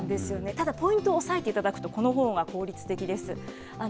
ただ、ポイントを押さえていただくと、このほうが効率的です。